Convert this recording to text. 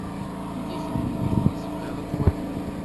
Yella kra n yiwen i tebɣiḍ ad twaliḍ?